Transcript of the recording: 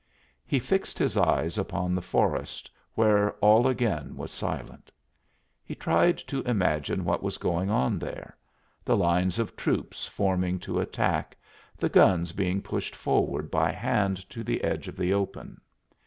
He fixed his eyes upon the forest, where all again was silent. He tried to imagine what was going on there the lines of troops forming to attack, the guns being pushed forward by hand to the edge of the open.